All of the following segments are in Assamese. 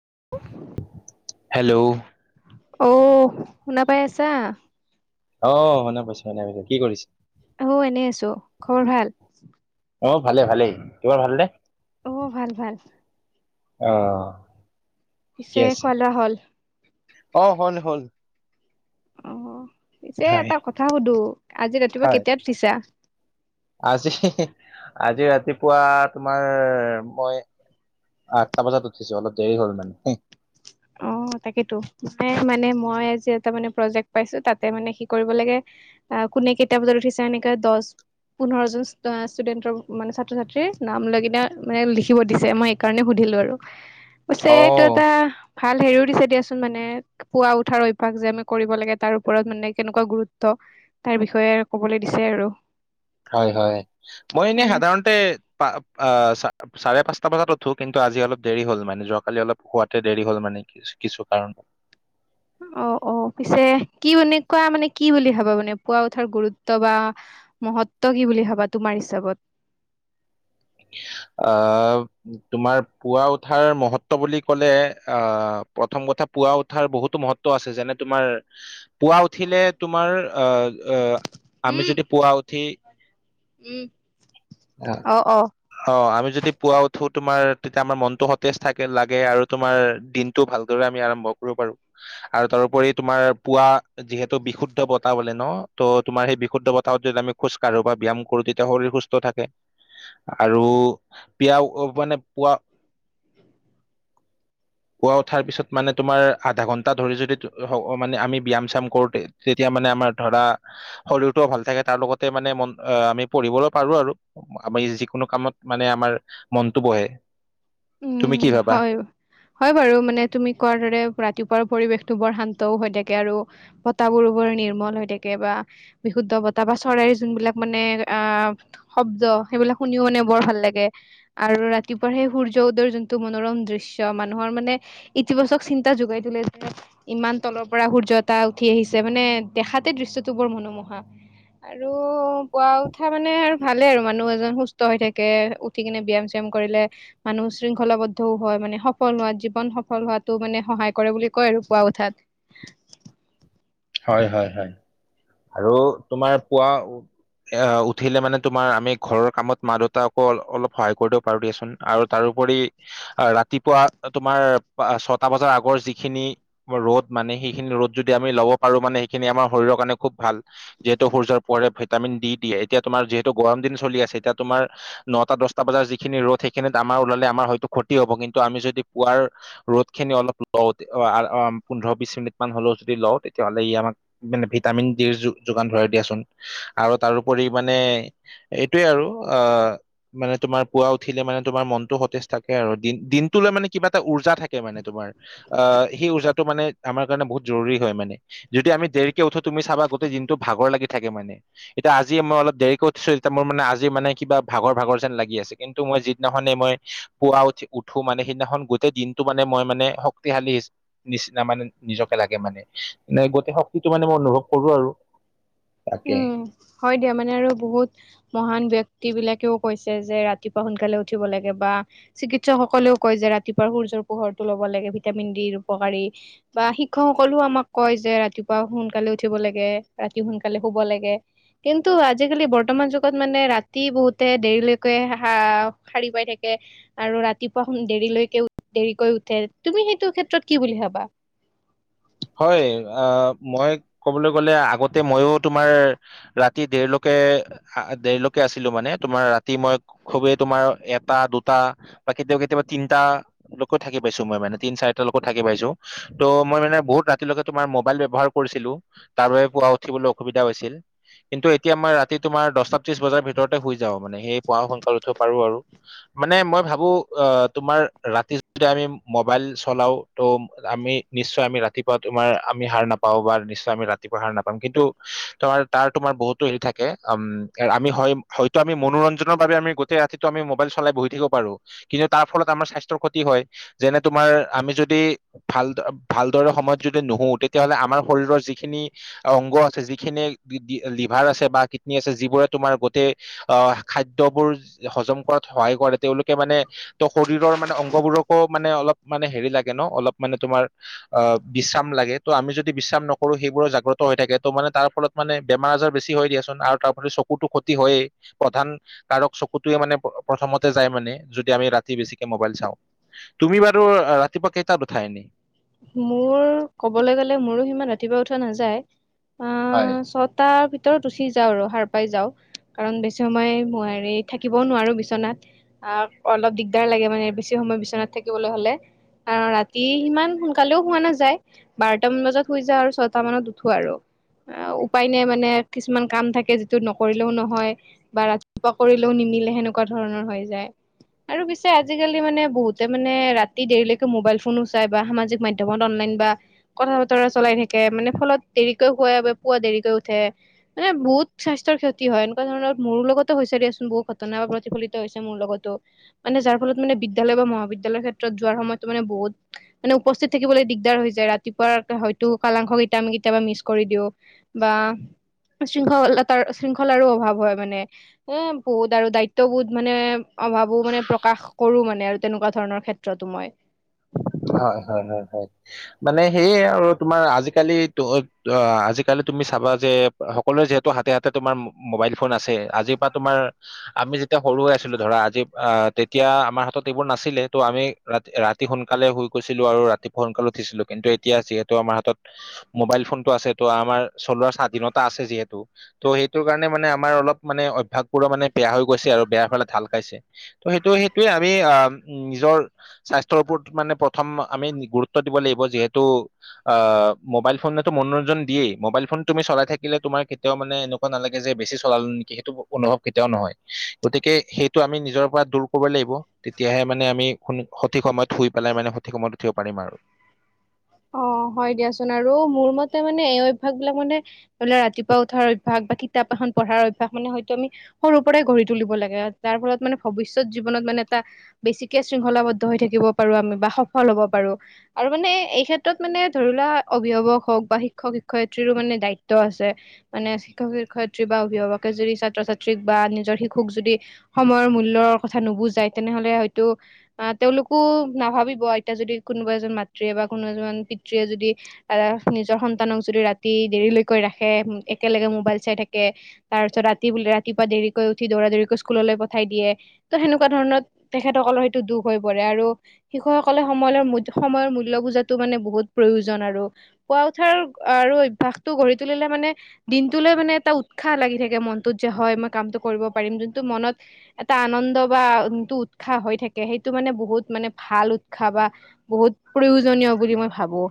[unintelligible] হেল্ল' অঔ শুনাপাই আছা অ শুনা পাইছে শুনে পাইছে কি কৰিছ? অ এনেই আছো খৰ ভাল? অ ভালে ভালেই তমাৰ ভাল নে? অ ভাল ভাল অ পিছে ঠিকে আছে খোৱা লোৱা হ'ল অ হল হল অ হয় এটা কথা সুধো আজি ৰাতিপুৱা হয় কেতিয়াাত উঠিছা আজি আজি ৰাতিপুৱা তোমাৰ মই আঠটা বজাত উঠিছো অলপ দেৰি হ'ল মানে, অ তাকেইতো ম মানে মই আজি এটা মানে প্ৰজেক্ট পাইছো তাতে মানে স কৰিব লাগে, অ' কোনে কেইটা বজাত উঠিছো এনেকা দহ পোন্ধৰ জন ষ্টুডেন্টৰ মানে ছাত্ৰ ছাত্ৰীৰ নাম লৈ কনা মানে লিখিব দিছে মই সেইকাৰণে সুধিছো পিছে অ এইটো এটা ভাল হেৰিও দিছে দিয়াচোন মানে পুৱা উঠাৰ অভ্যাস যে আমি কৰিব লাগে তাৰ ওপৰত মানে কেনেকুৱা গুৰুত্ব তাৰ বিষয়ে ক'বলৈ দিছে আৰু হয় হয় মই এনেই এনে সাধাৰণতে পা আ চাৰে পাঁচটা মানত উঠো কিন্তু আজি অলপ দেৰি হ'ল মানে যোৱাকালি অলপ শোৱাতে দেৰি হ'ল মানে কি কিছু কাৰণত [unintelligible] অ' অ' পিছে কি এনেকুৱা মানে কি বুলি ভাবা মানে পোৱা উঠাৰ গুৰুত্ব বা মহত্ব কি বুলি ভাবা তোমাৰ হিচাপত আহ তোমাৰ পুৱা উঠাৰ মহত্ব বুলি ক'লে আহ প্ৰথম কথা পুৱা উঠাৰ বহুতো মহত্ব আছে যেনে তোমাৰ পুৱা উঠিলে তোমাৰ আহ আমি উম যদি পুৱা উঠি উম অ অ অ' আমি যদি পুৱা উঠো তোমাৰ তেতিয়া আমাৰ মনটো সতেজ থাকে লাগে আৰু তোমাৰ দিনটো ভালদৰে আমি আৰম্ভ কৰিব পাৰো আৰু তাৰোপৰি তোমাৰ পুৱা যিহেতু বিশুদ্ধ বতাহ বলে ন ত তোমাৰ সেই বিশুদ্ধ বতাহত যদি আমি খোজকাঢ়ো বা ব্যায়াম কৰো তেতিয়া শৰীৰ সুস্থ থাকে আৰু পিয় মানে পুৱা [inaudible] পুৱা উঠাৰ পিছত মানে তোমাৰ আধা ঘন্টা ধৰি যদি মানে আমি ব্যয়াম চাম কৰো তেতিয়া মানে আমাৰ ধৰা শৰীৰটোও ভাল থাকে তাৰ লগতে মানে মন আ আমি পঢ়িবলৈ পাৰো আৰু আমি যিকোনো কামত মানে আমাৰ মনটো বহে তুমি উম কি ভাবা? হয় হয় বাৰু মানে তুমি কোৱাৰ দৰে ৰাতিপুৱাৰ পৰিৱেশ টো বৰ শান্তও হৈ থাকে আৰু বতাবোৰ বৰ নিৰ্মল হৈ থাকে বা বিশুদ্ধ বতাহ বা চৰাই, যিবিলাক মানে আ শব্দ সেইবিলাক শুনিও মানে বৰ ভাল লাগে আৰু ৰাতিপুৱা সেই সৰ চৌদৰ যোনটো মনোৰম দৃশ্য মানুহৰ মানে ইতিবাচক চিন্তা যোগাই তলেে যে ইমান ৰ পৰা সূৰ্যতা উঠি আহিছে মানে দেখাতে দৃশ্যটো বৰ মনোমোহা। আৰু পুৱা উঠা মানে আৰু ভালে আৰু মানুহ এজন সুস্থ হৈ থাকে উঠি কিনে ব্যায়াম চাম কৰিলে মানুহ শৃংখলাবদ্ধও হয় মানে সফল হোৱাত জীৱন সফল হোৱাাতো মানে সহায় কৰে বুলি কয় আৰু পুৱা উঠাত। [unintelligible] হয় হয় হয় আৰু তোমাৰ পুৱা - - এ উঠিলে মানে তোমাৰ আমি ঘৰৰ কামত মা দেউতাক আকৌ অলপ সহায় কৰিব দিব পাৰো দিয়াচোন আৰু তাৰো ৰাতিপুৱা তোমাৰ ছটা বজাৰ আগৰ যিখিনি ৰ'দ মানে, সেইখিনি ৰদ যদি আমি লব পাৰো মানে সেই খিনি আমাৰ শৰীৰৰ কাৰণে খুব ভাল যিহেতু সৰ্যৰ পৰে ভিটামিন দি দিয়ে এতিয়া তোমাৰ যিহেত গৰম চলি আছে এতিয়া তোমাৰ নটা দহটা বজাৰ যিখিনি ৰ'ড সেইখিনিত আমাৰ ওলালে আমাৰ হয়টো ক্ষতি হব কিন্তু আমি য পোৱাৰ ৰ'দ খিনি অলপ লওঁ পোন্ধৰ বিশ মিনিট মান হ'লেও যদি লওঁ তেয়া তেতিাহ'লে ই আমাক মানে ভিটামিন ডিৰ যোগান ধৰা দিয়াচোন আৰু তাৰপৰি মানে এইটোয়ে আৰু অ মানে তোমাৰ পুৱা উঠিলে মানে তোমাৰ মনতটো সজ থাকে আৰু দিনটো মানে কিবা এটা উৰ্জা থাকে মানে তোমাৰ সেই উৰ মানে আমাৰ কাৰণে বহুত জৰুৰী হয় মানে, যদি আমি দেৰিকে উঠো তুমি চাবা গোটেই দিনটো ভাগৰ লাগি থাকে মানে এতিয়াজি মই অলপ দেৰিকে উঠিছো মোৰ মানে আজি মানে কিবা ভাগৰ ভাগৰ যেন লাগি আছে কিন্তু মই যিদিনাখনে মই পুৱা উঠি উঠো মানে সেই সিদিনাখন গোটেই দিনটো মানে মই মানে শক্তিশালী নিচিনা মানে নিজকে লাগে মানে। নে গোটেই শক্তিটো মানে মই অনুভৱ কৰো আৰু তাকে উম হয় দিয়া মানে আৰু বহুত মহান ব্যক্ ক্তি বিলাকেও কৈছে যে ৰাতিপুৱা সোনকালে উঠিব লাগে বা চিকিৎসকসকলেও কৈ যে ৰাতিপুৱা সুৰ সুৰ্য পোহৰটো লব লাগে ভিটামিন ডিৰ উপকাৰী বা শিক্ষক সকলেও আমাক কয় যে ৰাতিপুৱা সোন সোনকালে উঠিব লাগে ৰাতি সোনকালে শুব লাগে কিন্তু আজিকালি বৰ্তমান যুগত মানে ৰাতি বহুতে দেৰিলৈকে হা সাৰী পাই থাকে আৰু ৰাতিপুৱা সোন দেৰিলৈকে দেৰিকৈ উঠে তুমি সেইটো ক্ষেত্ৰত কি বুলি ভাবা [inaudible] হয় অ মই ক'বলৈ গ'লে আগতে মইয়ো তোমাৰ ৰাতি দেৰলৈকে দেৰিলৈকে আছিলো মানে তোমাৰ ৰাতি মই খুবেই তোমাৰ এটা দুটা বা কেতিয়াবা কেতিয়াবা তিনিটা লকো থাকি পাইছো মই মানে তিন চাৰটা লকো থাকি পাইছো ত' মই মানে বহুত ৰাতিলৈকে তোমাৰ মোবাইল ব্যৱহাৰ কৰিছিলো তাৰ বাবে পুৱা উঠিবলৈ অসুবিধা হৈছিল কিন্তু এতিয়া আমাৰ ৰাতি তোমাৰ দহটা ত্ৰিশ বজাৰ ভিতৰতে শুই যাও মানে সেই পুৱাও সোনকাল উঠৈ পাৰো আৰু মানে মই ভাবো অ তোমাৰ ৰাতি যদি আমি মোবাইল চলাও ত' আমি নিশ্চয় আমি ৰাত ৰাতিপুৱা তোমাৰ আমি সাৰ নাপাও বা নিশ্চয় আমি ৰাতিপুৱা সাৰ নাপাম কিন্তু তোমাৰ তাৰ তোমাৰ বহুতো হেৰি থাক কে উম আমি হয় হয়তো আমি মনোৰঞ্জনৰ বাবে আমি গোটেই ৰাতিটো আমি মোবাইল চলাই বহি থাকিব পাৰো কিন্তু তাৰ ফলত আমাৰ স্বাস্থ্যৰ ক্ষতি হয় যেনে তোমাৰ আমি যদি ভাল ভাল দৰে সময়ত যদি নুশু তেতিয়াহলে আমাৰ শৰীৰৰ যিখিনি অংগ আছে যিখিনি লিভাৰ আ আছে বা কিতনী আছে যিবোৰে তোমাৰ গোটেই আহ খাদ্যবোৰ হজম কৰাত সহায় কৰে তেওঁলোকে মানে ত শৰীৰৰ মানে অংগবোৰকো মানে অলপ মানে হেৰি লাগে ন অলপ মানে তোমাৰ অ বিশ্ৰাম লাগে ত' আমি যদি বিশ্ৰাম নকৰো সেইবোৰৰ জাগ্ৰত হৈ থাকে ত মানে তাৰ ফলত মানে বেমাৰ আজাৰ বেছি হয় দিয়াচোন আৰু তাৰ প্ৰতি চকুতো ক্ষতি হয়েই প্ৰধান কাৰক চকুতোৱে মানে প্ৰথমতে যায় মানে আমি ৰাতি বেছিকে মবাইল চাওঁ। তুমি বাৰু ৰাতিপুৱা কেইটাত উঠা এনে? মোৰ ক'বলৈ গ'লে মোৰো সিমান ৰাতিপুৱা উঠোৱা নাযায়। অ হয় ছটাৰ ভিত তৰত উঠি যাওঁ আৰু সাৰ পাই যাওঁ কাৰণ বেছি সময় মোৱাৰি থাকিবও নোৱাৰো বিচনাত। আহ অলপ দিগদাৰ লাগে মানে বেছি সময় বিচনাত থাকিবলৈ হ'লে আ ৰাতি সিমান শুন কালো হোৱা নাযায় বাৰটামান বজাত হৈ যায় আৰু ছয়টা মানত উঠো আৰু। অ উপায় নাই মানে কিছুমান কাম থাকে যিটো নকৰিলেও নহয় বা ৰাতিপুৱা কৰিলেও নিম নিলে সেনেকুৱা ধৰণৰ হৈ যায়। আৰু পিছে আজিকালি মানে বহুতে মানে ৰাতি দেৰিলৈকে মোবাইল ফোনো চাই বা সামজিক মাধ্যমত অনলাইন বা কথা বতৰা চলাই থাকে মানে ফলত দেৰিকৈ হুৱাই বা পুৱা দেৰিকৈ উঠে। মানে বহুত স্বাস্থ্যৰ ক্ষতি হয় এনেকুৱা ধৰণৰ মোৰ লগতো হৈছে দিয়াচোন বহুত ঘটনা বা প্ৰতিফলিত হৈছে মোৰ লগতো মানে যাৰ ফলত মানে বিদ্যালয় বা মহাবিদ্যালয়ৰ ক্ষেত্ৰত যোৱাৰ সময়তো মানে বহুত মানে উপস্থিত থাকিবলৈ দিগদাৰ হৈ যায় ৰাতিপুৱা হয়তো কালাংশ কেইটা আমি কেতিয়াবা মিচ কৰি দিওঁ বা শৃংখলতাৰ শৃংখলাৰো অভাৱ হয় মানে হ বহুত আৰু দায়িত্ববোধ মানে অভাবো মানে প্ৰকাশ কৰো মানে আৰু তেনেকুৱা ধৰণৰ ক্ষেত্ৰতো মই হয় হয় হয় হয় মানে সেয়ে আৰু তোমাৰ আজিকালি ত ত আজিকালি তুমি চাবা যে সকলোৱে যিহেতু হাতে হাতে তোমাৰ মোবাইল ফোন আছে আজিৰ পৰা তোমাৰ আমি ইতে সৰু হৈ আছিলো ধৰা আজি অ তেতিয়া আমাৰ হাতত এইবোৰ নাছিলে ত আমি ৰাতিপুৱা সোন কালে শুই কৈছিলো আৰু ৰাতিপুৱা সোনকাল উঠিছিলো। কিন্তু এতিয়া যিহেতু আমাৰ হাতত মোবাইল ফোনটো আছে ত আম মাৰ চলোৱা স্বাধীনতা আছে যিহেতু ত সেইটো কাৰণে মানে আমাৰ অলপ মান অভ্যাসবোৰ মানে বেয়া হৈ গৈছে আৰু বেয়া ফালে ঢাল খাইছে ত সেইটো সেইটোয়ে আমি অ নিজৰ স্বাস্থ্যৰ ওপৰত মানে প্ৰথম আমি গুৰুত্ব দিব লাগিব যিহেতু আ মোবাইল ফোনেতো মনোৰঞ্জন দিয়ে ই মবাইল ফোন তুমি চাই থাকিলে তোমাৰ কেতিয়াও মানে এনেকুৱা নালাগে যে বেছি চলালো নেকি সেইটো অনুভৱ কেতিয়াও নহয়। গতিকে সেইটো আমি নিজৰ পৰা দূৰ কৰিব লাগিব তেতিয়াহে মানে আমি সোন সঠিক সময়ত শুই পেলাই মানে, সঠিক সময়ত উঠিব পাৰিম আৰু। অ'! হয় দিয়াচোন আৰু মোৰ মতে মানে, এই অভ্যাস বিলাক মানে, ধৰি লোৱা, ৰাতিপুৱা উঠাৰ অভ্যাস বা কিতাপ এখন পঢ়াৰ অভ্যাস। মানে, হয়তো আমি, সৰু পৰাই গঢ়ি তুলিব লাগে। আৰু তাৰ ফলত মানে, ভৱিষ্যত জীৱনত মানে, এটা বেছিকে শৃংখলাবদ্ধ হৈ থাকিব পাৰোঁ। আমি বা সফল হ'ব পাৰোঁ। আৰু মানে, এই ক্ষে ক্ষেত্ৰত মানে, ধৰি লোৱা, অভিভাৱক হওঁক বা শিক্ষক-শিক্ষয়িত্ৰীৰো মানে, দায়িত্ব আছে। মানে, শিক্ষক-শি শিক্ষয়িত্ৰী বা অভিভাৱকে যদি, ছাত্ৰ-ছাত্ৰীক বা নিজৰ শিশুক যদি, সময়ৰ মূল্যৰ কথা নুবুজায়। তেনেহ'লে হয়তো, অ' তেওঁলোকো নাভাবিব। এতিয়া যদি, কোনোবা এজন মাতৃয়ে বা কোনো এজন পিতৃয়ে যদি, আঁ নিজৰ সন্তানক যদি, ৰাতি দেৰিলৈকে ৰাখে, একেলগে মোবাইল চাই থাকে। তাৰপিছত, ৰাতি বোলে, ৰাতিপুৱা দেৰিকৈ উঠি, দৌৰা-দৌৰিকৈ স্কুললৈ পঠাই দিয়ে। ত' সেনেকুৱা ধৰণৰ, কৰণত, তেখেতসকলৰ সেইটো দুখ হৈ পৰে। আৰু শিশুসকলে, সময়ৰ-সময়ৰ মূল্য বুজা টো মানে, বহুত প্ৰয়োজন আৰু। শুৱা উঠাৰ আৰু অভ্যাসতো গঢ়ি তুলিলে মানে, দিনটোলে মানে, এটা উৎসাহ লাগি থাকে, মনটোত যে হয়! মই কামটো কৰিব পাৰিম। যোনটো মনত, এটা আনন্দ বা [unintelligible] উৎসাহ হৈ থাকে। সেইটো মানে, বহুত মানে, ভাল উৎসাহ! বা বহুত প্ৰয়োজনীয় বুলি মই ভাবোঁ।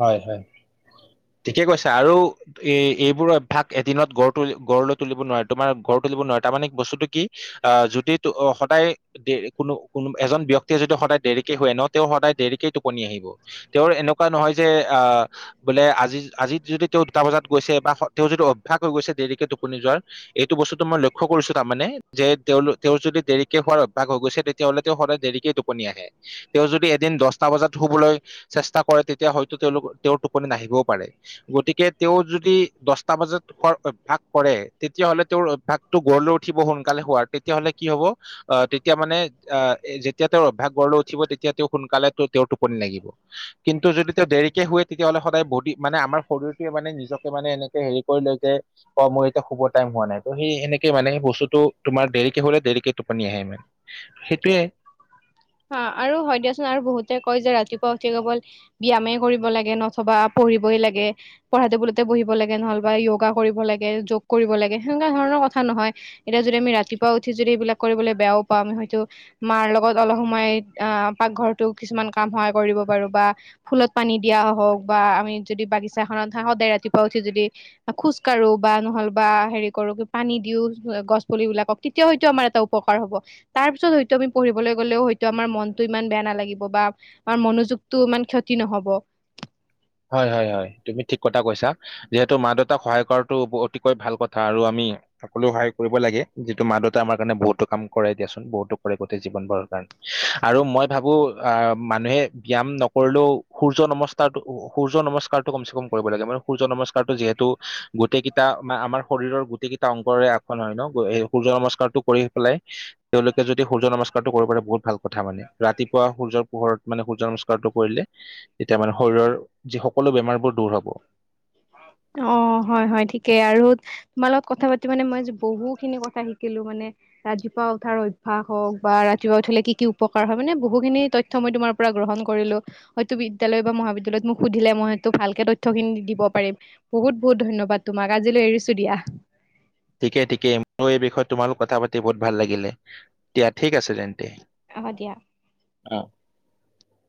হয়, হয়! ঠিকে কৈছা! আৰু এই, এইবোৰ অভ্যাস, এদিনত গঢ় তুলি, গঢ় লৈ তুলিব নোৱাৰে। তোমাৰ গঢ় তুলিব নোৱাৰে। তাৰমানে, বস্তুটো কি, আঁ যদি [unintelligible] সদায়, কোনো-কোনো, এজন ব্যক্তিয়ে যিটো সদায় দেৰিকে শুৱে ন'! তেওঁ সদায় দেৰিকে টোপনি আহিব। তেওঁৰ এনেকুৱা নহয় যে, আঁ বোলে আজি, আজি যদি, তেওঁ দুটা বজাত গৈছে বা তেওঁ যদি অভ্যাস হৈ গৈছে, দেৰিকে যোৱাৰ। এইটো বস্তুটো মই লক্ষ্য কৰিছোঁ, তাৰমানে। যে, তেওঁ-তেওঁৰ যদি দেৰিকে শুৱাৰ অভ্যাস হৈ গৈছে, তে তেওঁলোকে সদায় দেৰিকেই টোপনি আহে। তেওঁ যদি, এদিন দহটা বজাত শুবলৈ চেষ্টা কৰে। তে তেতিয়া, হয়তো তেওঁলোক, তেওঁৰ টোপনি নাহিবও পাৰে। গতিকে, তেওঁ যদি দহটা বজাত শুৱাৰ অভ্যাস কৰে। তেতিয়া হ'লে, তেওঁৰ অভ্যাসটো গঢ় লৈ উঠিব, সোনকালে হোৱাৰ। তেতিয়াহ'লে, কি হ'ব! আঁ তেতিয়া মানে, যেতিয়া তেওঁৰ অভ্যাস গঢ় লৈ উঠিব। তেতিয়া তেওঁ সোনকালে তেওঁৰ টোপনি লাগিব। কিন্তু, যদি তেওঁ দেৰিকে শুৱে তেতিয়া হ'লে সদায় বডি মানে আমাৰ শৰীৰটোৱে মানে নিজকে মানে এনেকে হেৰি কৰি লৈ যায়। মোৰ এতিয়া শুবৰ টাইম হোৱা নাই তো সেই হেনেকে মানে বস্তুতটো তোমাৰ দেৰিকৈ হ'লে দেৰিকৈ টোপনি আহে মানে সেইটোৱে [unintelligible] আৰু হয় দিয়াচোন আৰু বহুতে কয় যে ৰাতিপুৱা উঠি কেৱল ব্যায়ামে কৰিব লাগে নথবা আহ পঢ়িবই লাগে, পঢ়া টেবুলতে বহিব লাগে, নহ'লে বা য়োগা কৰিব লাগে। যোগ কৰিব লাগে হেনেকুৱা ধৰণৰ কথা নহয়। এতিয়া যদি আমি ৰাতিপুৱা উঠি যদি এইবিলাক কৰিবলৈ বেয়াও পাওঁ। আমি হয়তো মাৰ লগত অলপ সোমাই আহ পাকঘৰতো কিছুমান কাম কৰিব পাৰোঁ বা ফুলত পানী দিয়া হওঁক বা আমি যদি বাগিছা খনত সদায় ৰাতিপুৱা উঠি যদি খোজ কাঢ়ো বা নহ'লে বা হেৰি কৰোঁ। পানী দিওঁ। গছ পুলি বিলাকক তেতিয়াও হয়তো আমাৰ এটা উপকাৰ হ'ব। তাৰ পিছত হয়তো আমি পঢ়িবলৈ গ'লেও হয় টো আমাৰ মনতটো ইমান বেয়া নালাগিব বা আমাৰ মনোযোগটো ইমান ক্ষতি নহ'ব। হয়, হয়, হয় তুমি ঠিক কথা কৈছা। যিহেতু মা দেউতাক সহায় কৰাটোও অতিকৈ ভাল কথা আৰু আমি সকলো সহায় কৰিব লাগে। যিহেতু মা দেউতা আমাৰ কাৰণে বহুতো কাম কৰে দিয়াচোন বহুতো কৰে গোটেই জীৱন ভৰ কাৰণে আৰু মই ভাবোঁ অ' মানুহে ব্যায়াম নকৰিলেও সূৰ্য নমস্কাৰটো সূৰ্য্য নমস্কাৰটো কমচে কম কৰিব লাগে। মানে সূৰ্য্য নমস্কাৰটো যিহেতু গোটেইকেইটা ম আমাৰ শৰীৰৰ গোটেই অংগৰে আক হয় নৈ ন এই সূৰ্য্য নমস্কাৰ টো কৰি পেলাই তেওঁলোকে যদি সূৰ্য নমস্কাৰ টো কৰিব পাৰে বহুত ভাল কথা মানে ৰাতিপুৱা সূৰ্যৰ পোহৰত মানে সূৰ্য নমস্কাৰটো কৰিলে, এতিয়া মানে শৰীৰৰ যি সকলো বেমাৰবোৰ দূৰ হ'ব। হোহ অ' হয়, হয় ঠিকেই আৰু তোমাৰ লগত কথা পাতি মানে মই আজি বহু খিনি কথা শিকিলোঁ মানে ৰাতিপুৱা উঠাৰ অভ্যাস হওঁক বা ৰাতিপুৱা উঠিলে কি কি উপকাৰ হয়। মানে বহুখিনি তথ্য মই তোমাৰ পৰা গ্ৰহণ কৰিলো, হয়তো বিদ্যালয় বা মহাবিদ্যালয় মোক সুধিলে মই হয়তো ভালকে তথ্য খিনি দিব - - পাৰিম, বহুত বহুত ধন্যবাদ তোমাক আজিলৈ এৰিছো দিয়া, ঠিকে ঠিকে মোৰ এই বিষয়ে তোমালোক কথা পাতি বহুত ভাল লাগিলে দিয়া ঠিক আছে তেন্তে, আহ দিয়া। অ।